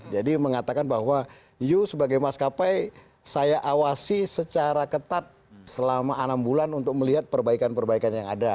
jadi mengatakan bahwa yuk sebagai maskapai saya awasi secara ketat selama enam bulan untuk melihat perbaikan perbaikan yang ada